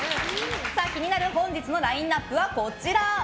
気になる本日のラインアップはこちら。